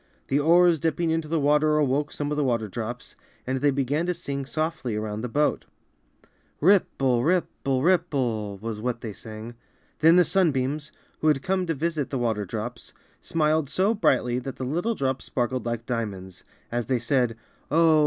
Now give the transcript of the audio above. The oars dipping into the water awoke some of the water drops, and they began to sing soMy around the boat. "Ripple, ripple, ripple^' was what they sang. Then the Sunbeams, who had come to visit the water drops, smiled so brightly that all the little drops sparkled like diamonds, as they said, "Oh!